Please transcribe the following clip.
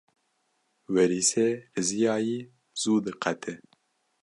Werîsê riziyayî zû diqete.